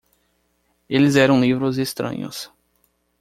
Eles eram livros estranhos.